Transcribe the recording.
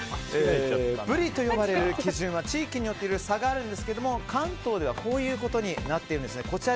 ブリと呼ばれる基準は地域により差があるんですけど関東ではこういうことになっているんです。